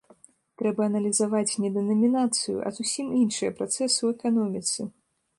Трэба аналізаваць не дэнамінацыю, а зусім іншыя працэсы ў эканоміцы.